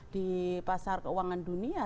di pasar keuangan dunia